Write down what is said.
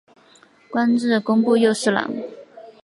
官至工部右侍郎。